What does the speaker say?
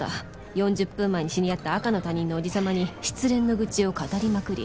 ４０分前に知り合った赤の他人のオジサマに失恋の愚痴を語りまくり